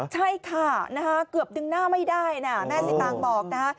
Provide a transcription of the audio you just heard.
ใช่ค่ะเกือบดึงหน้าไม่ได้นะแม่สิตางบอกนะฮะ